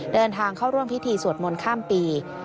เดินทางเข้าร่วมพิธีสวดมนต์ข้ามปี